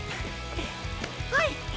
はい！